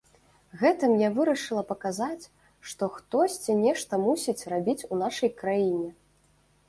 Гэтым я вырашыла паказаць, што хтосьці нешта мусіць рабіць у нашай краіне.